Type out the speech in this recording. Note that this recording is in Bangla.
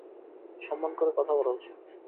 সম্মান করে কথা বলা উচিত।